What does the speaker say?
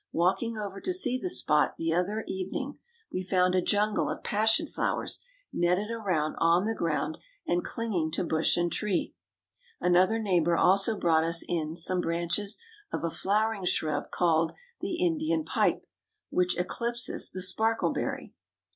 Walking over to see the spot the other evening, we found a jungle of passion flowers netted around on the ground, and clinging to bush and tree. Another neighbor also brought us in some branches of a flowering shrub called the Indian pipe, which eclipses the sparkleberry.